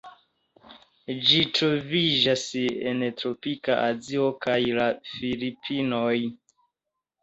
Ĝi troviĝas en tropika Azio kaj la Filipinoj.